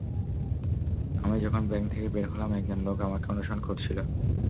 আমি যখন ব্যাংক থেকে বের হলাম, একজন লোক আমাকে অনুসরণ করছিল।